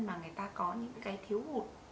mà người ta có những cái thiếu hụt